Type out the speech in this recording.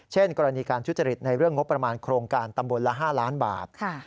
กรณีการทุจริตในเรื่องงบประมาณโครงการตำบลละ๕ล้านบาท